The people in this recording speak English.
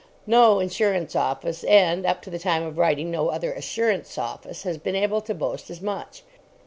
No insurance office and, up to the time of writing, no other assurance office has been able to boast as much.